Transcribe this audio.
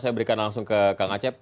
saya berikan langsung ke kang acep